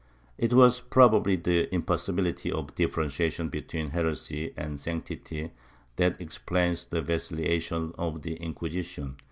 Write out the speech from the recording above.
It was probably the impossibility of differentiation between heresy and sanctity that explains the vacillation of the Inquisi tion.